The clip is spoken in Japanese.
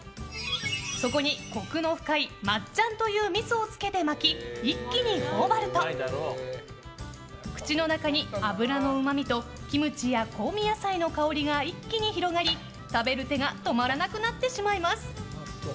そこにコクの深いマッジャンというみそをつけて巻き、一気に頬張ると口の中に脂のうまみとキムチや香味野菜の香りが一気に広がり、食べる手が止まらなくなってしまいます。